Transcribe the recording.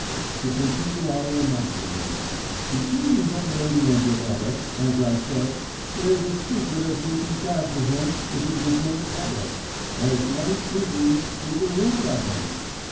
To continue our imaginings. Between the young lady and her lover, as I said, there's a secret as would be bad for him if it was made public as might, indeed, be the ruin of him.